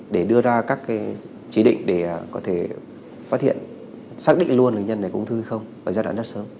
để đưa ra các chí định để có thể phát hiện xác định luôn nhân này ung thư không ở giai đoạn rất sớm